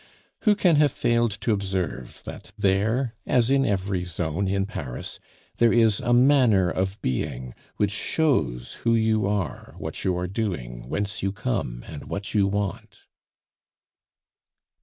Who can have failed to observe that there, as in every zone in Paris, there is a manner of being which shows who you are, what you are doing, whence you come, and what you want?